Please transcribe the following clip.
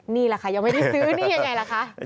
นี่แหละค่ะยังไม่ได้ซื้อนี่ยังไงล่ะคะ